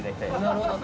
なるほど。